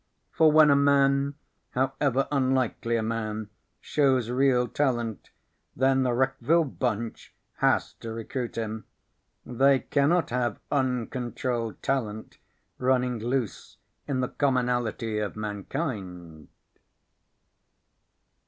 For when a man (however unlikely a man) shows real talent, then the Wreckville bunch has to recruit him. They cannot have uncontrolled talent running loose in the commonalty of mankind.